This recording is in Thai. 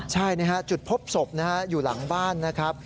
ใช่จุดพบศพอยู่หลังบ้านนะครับ